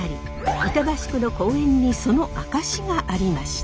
板橋区の公園にその証しがありました。